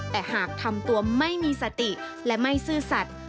แต่หากทำตัวไม่มีสติและไม่ซื่อสัตว์